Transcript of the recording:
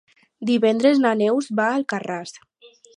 Divendres na Neus va a Alcarràs.